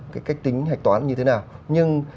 cái cách tính hạch toán như thế nào nhưng